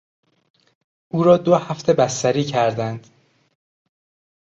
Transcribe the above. او را دو هفته بستری کردند.